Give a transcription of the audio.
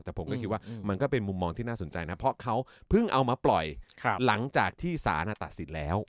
แต่ผมก็คิดว่ามันก็เป็นมุมมองที่น่าสนใจนะเพราะเขาเพิ่งเอามาปล่อยหลังจากที่สารตัดสินแล้ว